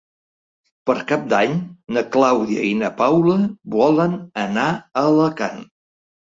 Per Cap d'Any na Clàudia i na Paula volen anar a Alacant.